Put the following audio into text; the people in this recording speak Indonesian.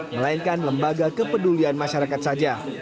melainkan lembaga kepedulian masyarakat saja